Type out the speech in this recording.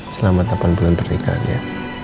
selamat delapan bulan pernikahan ya